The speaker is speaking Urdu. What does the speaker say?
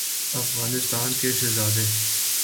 افغانستان کےشہزاد ے